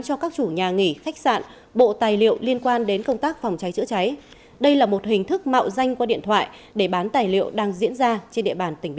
yêu cầu nhà nghỉ của anh mua một số tài liệu liên quan đến công tác phòng cháy chữa cháy để phục vụ công tác kiểm tra